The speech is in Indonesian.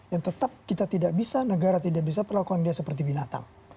yang tetap kita tidak bisa negara tidak bisa perlakuan dia seperti binatang